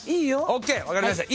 ＯＫ分かりました。